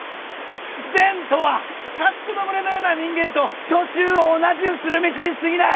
「善とは家畜の群れのような人間と去就を同じうする道にすぎない」